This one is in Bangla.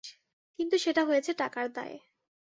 কিন্তু সেটা হয়েছে টাকার দায়ে।